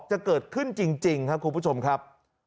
จะเกิดขึ้นจริงครับคุณผู้ชมครับ